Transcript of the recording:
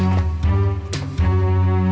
udah ikut aja